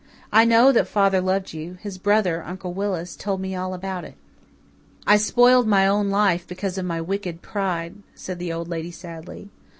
I know that father loved you his brother, Uncle Willis, told me all about it." "I spoiled my own life because of my wicked pride," said the Old Lady sadly.